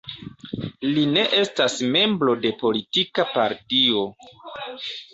Li ne estas membro de politika partio.